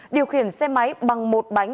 điều khiển xe máy bằng một bánh